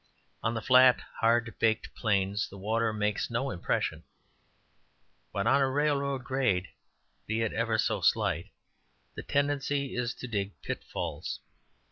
On the flat, hard baked plains, the water makes no impression, but on a railroad grade, be it ever so slight, the tendency is to dig pitfalls.